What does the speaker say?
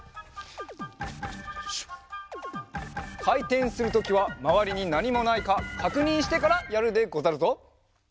かいてんするときはまわりになにもないかかくにんしてからやるでござるぞ。